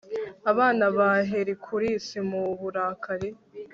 abana ba hercules mu burakari